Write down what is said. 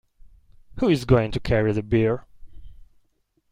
Who is going to carry the beer?